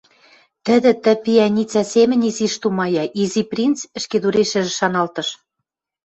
Тӹдӹ тӹ пиӓницӓ семӹнь изиш тумая, Изи принц ӹшкедурешӹжӹ шаналтыш.